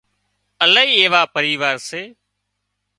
الاهي ايوا پريوار سي